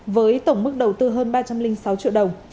với tổng mức đầu tư hơn ba trăm linh sáu triệu đồng